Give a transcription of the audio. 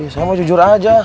saya mah jujur aja